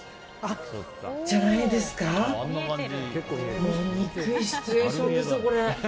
もう、にくいシチュエーションですよ、これ。